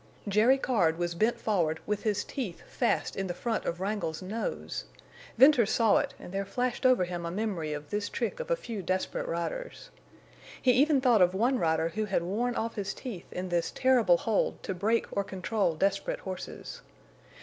Jerry Card was bent forward with his teeth fast in the front of Wrangle's nose! Venters saw it, and there flashed over him a memory of this trick of a few desperate riders. He even thought of one rider who had worn off his teeth in this terrible hold to break or control desperate horses.